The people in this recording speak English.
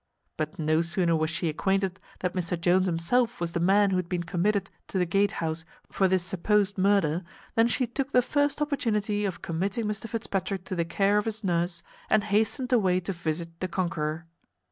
But no sooner was she acquainted that Mr Jones himself was the man who had been committed to the Gatehouse for this supposed murder, than she took the first opportunity of committing Mr Fitzpatrick to the care of his nurse, and hastened away to visit the conqueror.